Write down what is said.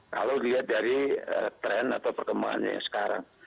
kalau dilihat dari tren atau perkembangannya yang sekarang